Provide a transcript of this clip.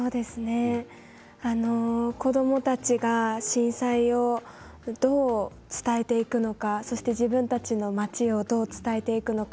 子どもたちが震災をどう伝えていくのかそして、自分たちの町をどう伝えていくのか。